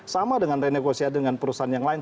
sama dengan renegosia dengan perusahaan yang lain